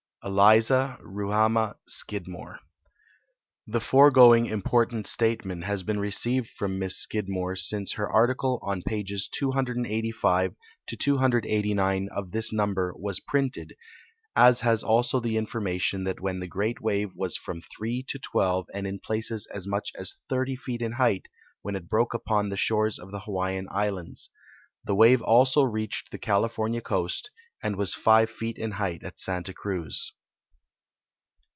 Eliza Ruhamah Scidmore. The foregoing important statement has been received from Miss Scidmore since her artlfle on pages 285 289 of this number was printed, as has also the information that the great wave was from three to twelve and in places as much as thirty feet in height when it broke upon the shores of the Hawaiian islands. The wave also reached the California coast, and was five feet in height at Santa Cruz.